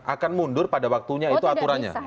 akan mundur pada waktunya itu aturannya